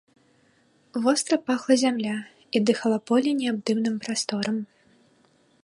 Востра пахла зямля, і дыхала поле неабдымным прасторам.